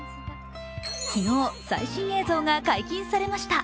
昨日、最新映像が解禁されました。